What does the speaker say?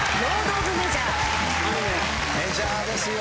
『メジャー』ですよ。